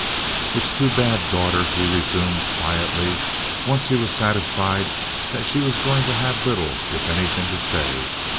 "It's too bad, daughter," he resumed quietly, once he was satisfied that she was going to have little, if anything, to say.